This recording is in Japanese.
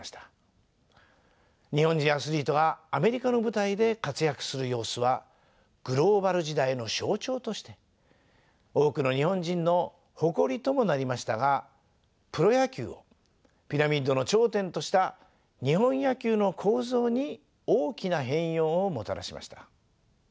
日本人アスリートがアメリカの舞台で活躍する様子はグローバル時代の象徴として多くの日本人の誇りともなりましたがプロ野球をピラミッドの頂点とした日本野球の構造に大きな変容をもたらしました。